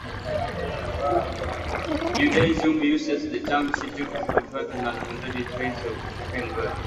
Judaism uses the term Shituf to refer to non-monotheistic ways of worshiping God.